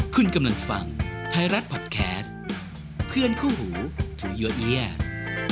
คุณกำลังฟังไทยรัฐพอดแคสต์เพื่อนเข้าหูทูยอเอเอเอเอเอส